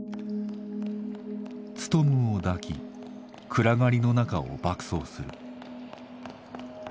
ツトムを抱き暗がりの中を爆走する。